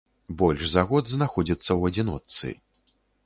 Больш за год знаходзіцца ў адзіночцы.